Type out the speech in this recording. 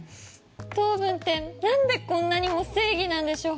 糖分ってなんでこんなにも正義なんでしょう？